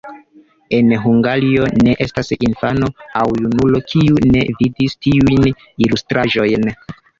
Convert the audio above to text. En Hungario ne estas infano aŭ junulo, kiu ne vidis tiujn ilustraĵojn.